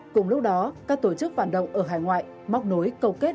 cùng lúc đó các tổ chức phản động ở hải ngoại móc nối câu kết